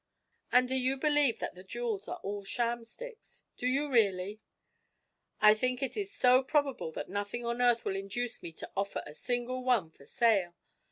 'And do you believe that the jewels are all shams, Dick? do you really?' 'I think it so probable that nothing on earth will induce me to offer a single one for sale.